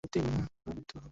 দুটোই আইনের সামনে খুন।